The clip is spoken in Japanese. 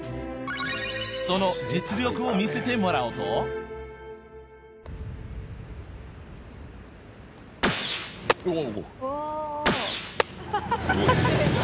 その実力を見せてもらうとおぉ！